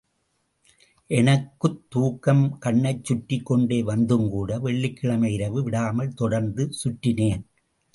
எனக்குத் தூக்கம் கண்ணைச் சுற்றிக் கொண்டு வந்துங்கூட, வெள்ளிக்கிழமை இரவு விடாமல் தொடர்ந்து சுற்றினேன்.